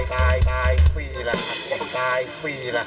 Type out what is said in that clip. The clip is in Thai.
ด้ายฟรีล่ะครับ